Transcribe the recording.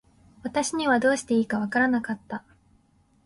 私にはどうしていいか分らなかった。